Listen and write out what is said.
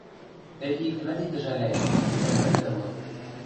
Тӹнь иктӹмӓт ит ӹжӓлӓйӹ, цилӓ вӹкӹ лык...